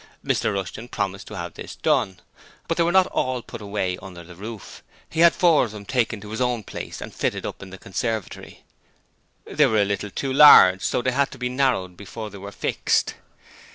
Mr Rushton promised to have this done; but they were not ALL put away under the roof: he had four of them taken to his own place and fitted up in the conservatory. They were a little too large, so they had to be narrowed before they were fixed.